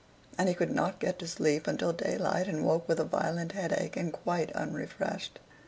And he could not get to sleep until daylight, and woke with a violent headache, and quite unrefreshed.